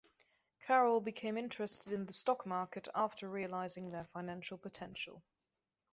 Caroll became interested in the stock market after realizing their financial potential.